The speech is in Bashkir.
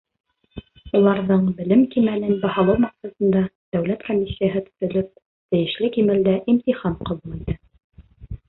Уларҙың белем кимәлен баһалау маҡсатында дәүләт комиссияһы төҙөлөп, тейешле кимәлдә имтихан ҡабул итә.